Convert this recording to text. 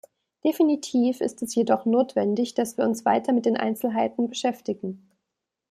Definitiv ist es jedoch notwendig, dass wir uns weiter mit den Einzelheiten beschäftigen.